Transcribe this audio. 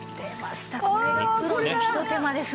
これがプロのひと手間ですね。